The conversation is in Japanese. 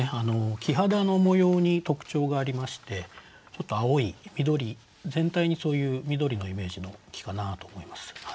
木肌の模様に特徴がありましてちょっと青い緑全体にそういう緑のイメージの木かなと思います。